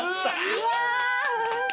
うわ。